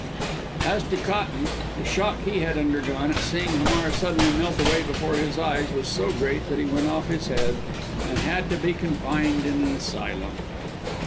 As to Cotton, the shock he had undergone, at seeing Hamar suddenly melt away before his eyes, was so great that he went off his head, and had to be confined in an asylum.